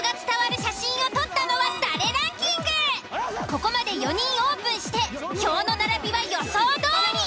ここまで４人オープンして票の並びは予想どおり。